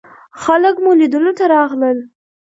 خلک مو لیدلو ته راغلل.